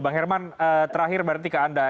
pak herman terakhir berhenti ke anda